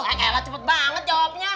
eh kayak cepet banget jawabnya